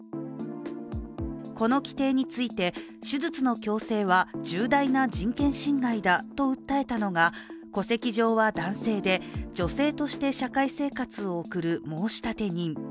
この規定について、手術の強制は重大な人権侵害だと訴えたのが戸籍上は男性で、女性として社会生活を送る申立人。